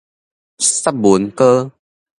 雪文膏